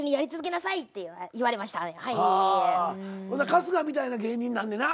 春日みたいな芸人になんねな？